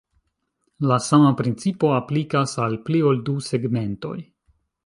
La sama principo aplikas al pli ol du segmentoj.